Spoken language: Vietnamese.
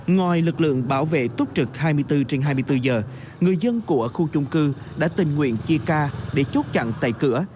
ngoài lực lượng bảo vệ túc trực hai mươi bốn trên hai mươi bốn giờ người dân của khu chung cư đã tình nguyện chia ca để chốt chặn tại cửa